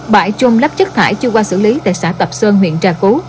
bãi chôm lắp chất thải chưa qua xử lý tại xã tập sơn huyện trà cú